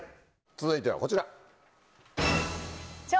続いてはこちら。